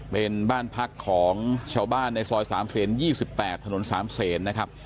เป็นบ้านพักของชาวบ้านในซอย๓เสน๒๘ถนน๓เซนนะครับ